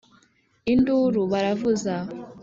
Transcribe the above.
Induru baravuza